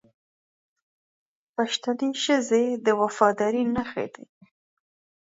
پښتنې ښځې د وفادارۍ نښې دي